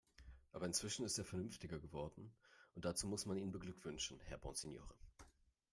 Aber inzwischen ist er vernünftiger geworden, und dazu muss man ihn beglückwünschen, Herr Bonsigniore.